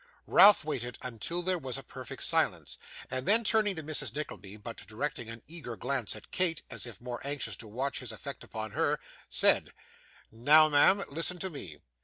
Ralph waited until there was a perfect silence, and then turning to Mrs Nickleby, but directing an eager glance at Kate, as if more anxious to watch his effect upon her, said: 'Now, ma'am, listen to me.